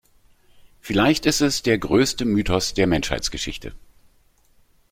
Vielleicht ist es der größte Mythos der Menschheitsgeschichte.